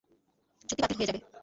চুক্তি বাতিল হয়ে যাবে।